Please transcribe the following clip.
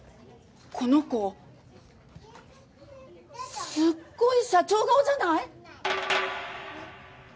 この子すっごい社長顔じゃない！？